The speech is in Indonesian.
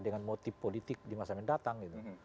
dengan motif politik di masa mendatang gitu